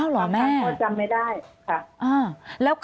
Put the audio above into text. อันดับที่สุดท้าย